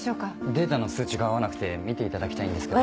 データの数値が合わなくて見ていただきたいんですけど。